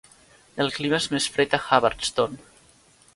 El clima és més fred a Hubbardston?